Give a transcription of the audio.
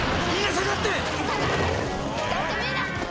下がってみんな！